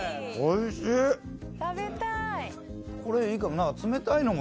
これいいかも。